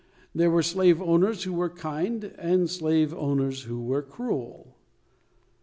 There were slave owners who were kind, and slave owners who were cruel.